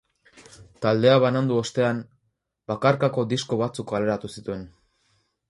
Taldea banandu ostean, bakarkako disko batzuk kaleratu zituen.